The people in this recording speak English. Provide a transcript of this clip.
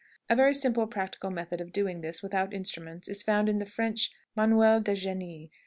A very simple practical method of doing this without instruments is found in the French "Manuel du Génie."